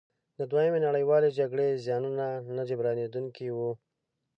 د دویمې نړیوالې جګړې زیانونه نه جبرانیدونکي وو.